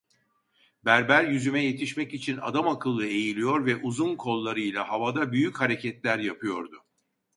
Berber yüzüme yetişmek için adamakıllı eğiliyor ve uzun kollarıyla havada büyük hareketler yapıyordu.